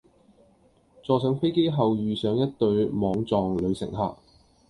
坐上飛機後遇上一對莽撞女乘客